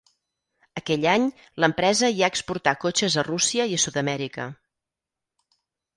Aquell any, l'empresa ja exportà cotxes a Rússia i a Sud-amèrica.